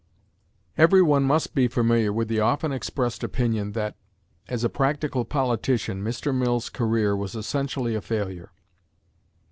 Every one must be familiar with the often expressed opinion, that, as a practical politician, Mr. Mill's career was essentially a failure.